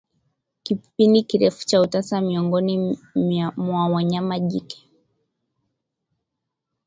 Kipindi kirefu cha utasa miongoni mwa wanyama jike